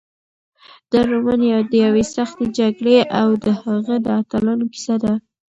دا رومان د یوې سختې جګړې او د هغې د اتلانو کیسه ده.